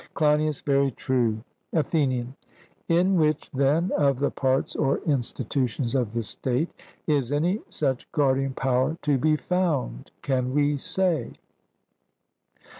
CLEINIAS: Very true. ATHENIAN: In which, then, of the parts or institutions of the state is any such guardian power to be found? Can we say?